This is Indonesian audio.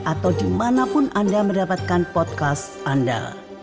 atau dimanapun anda mendapatkan podcast anda